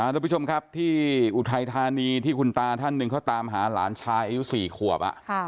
ทุกผู้ชมครับที่อุทัยธานีที่คุณตาท่านหนึ่งเขาตามหาหลานชายอายุ๔ขวบ